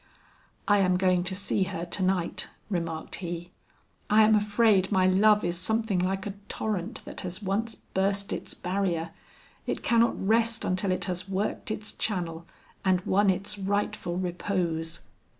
"I am going to see her to night," remarked he. "I am afraid my love is something like a torrent that has once burst its barrier; it cannot rest until it has worked its channel and won its rightful repose."